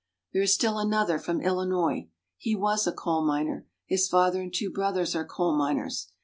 There is still another, from Illinois. He was a coal miner his father and two brothers are coal miners.